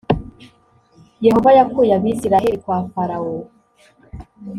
Yehova yakuye abisiraheli kwa farawo